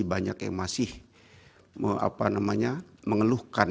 banyak yang masih mengeluhkan